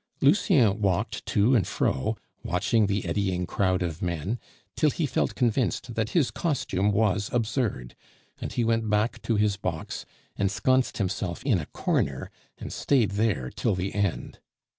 Lucien walked to and fro, watching the eddying crowd of men, till he felt convinced that his costume was absurd, and he went back to his box, ensconced himself in a corner, and stayed there till the end.